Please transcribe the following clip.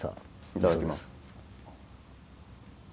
いただきます。